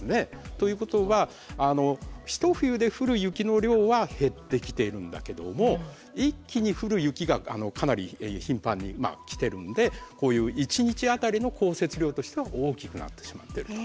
ということは一冬で降る雪の量は減ってきているんだけども一気に降る雪がかなり頻繁に来てるんでこういう一日当たりの降雪量としては大きくなってしまっていると。